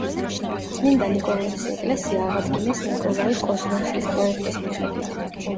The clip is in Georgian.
წმინდა ნიკოლოზის ეკლესია აღადგინეს ნიკოლაი კოზლოვსკის პროექტის მიხედვით.